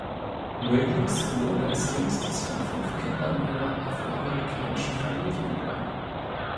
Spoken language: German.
Williams wurde als jüngstes von fünf Kindern einer afroamerikanischen Familie geboren.